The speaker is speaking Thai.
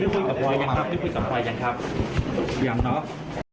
เราจะมีการต่อสู้คลิปอีกอย่างไรบ้างไหมครับ